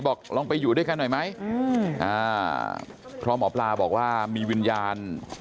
บอกลองไปอยู่ด้วยกันหน่อยไหมอืมอ่าเพราะหมอปลาบอกว่ามีวิญญาณ